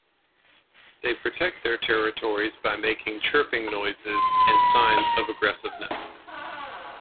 They protect their territories by making chirping noises and signs of aggressiveness.